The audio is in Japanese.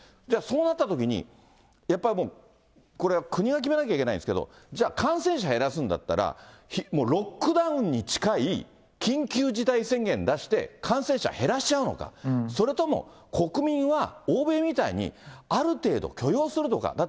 じゃあ、そうなったときに、やっぱり、これは国が決めなきゃいけないんですけれども、じゃあ、感染者減らすんだったら、ロックダウンに近い、緊急事態宣言出して、感染者減らしちゃうのか、それとも国民は欧米みたいにある程度、許容するのか。